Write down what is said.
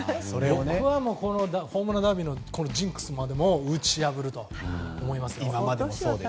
僕はこのホームランダービーのジンクスまでも打ち破ると思いますよ。